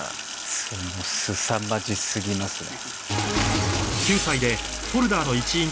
もうすさまじ過ぎますね。